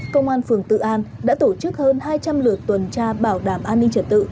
công an phường tự an đã tổ chức hơn hai trăm linh lượt tuần tra bảo đảm an ninh trật tự